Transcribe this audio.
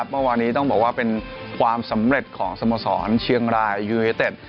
เมื่อวานนี้ต้องบอกว่าเป็นความสำเร็จของสโมสรเชียงรายยูเนเต็ด